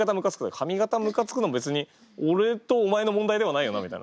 髪形むかつくの別に俺とお前の問題ではないよなみたいな。